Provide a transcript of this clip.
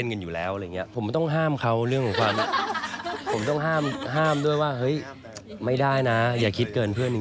คือเราต้องระวังตัวพี่หอมมากกว่า